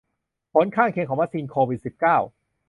ผลข้างเคียงของวัคซีนโควิดสิบเก้า